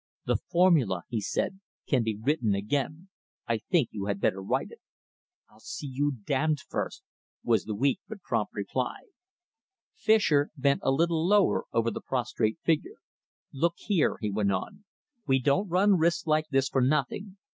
"That formula," he said, "can be written again. I think you had better write it." "I'll see you damned first!" was the weak but prompt reply. Fischer bent a little lower over the prostrate figure, "Look here," he went on, "we don't run risks like this for nothing.